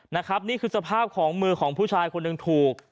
นะครับนี่คือสภาพที่พื้นชายคนหนึ่งตู้ก